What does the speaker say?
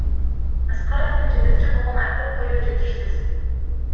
Аскаровдун жетекчи болгонун айтып коюу жетишсиз.